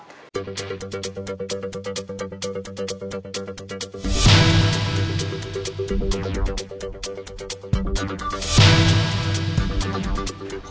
เป็นคนเลือกก่อนที่วันตั้งไม่เยอะ